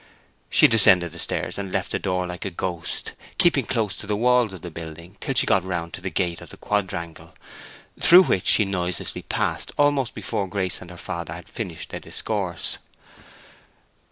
She descended the stairs and left the door like a ghost, keeping close to the walls of the building till she got round to the gate of the quadrangle, through which she noiselessly passed almost before Grace and her father had finished their discourse.